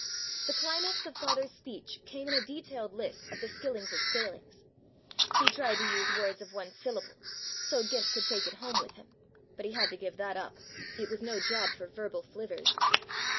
The climax of father's speech came in a detailed list of the "Skillingses' " failings. He tried to use words of one syllable, so "Gimp" could take it home with him, but he had to give that up ; it was no job for verbal flivvers.